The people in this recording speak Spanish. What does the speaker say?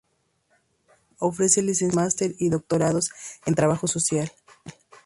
Ofrece Licenciaturas, Másters y Doctorados en trabajo social.